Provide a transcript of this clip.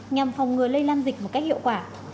nhằm phòng ngừa lây lan dịch một cách hiệu quả